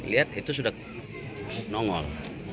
lihat itu sudah nongol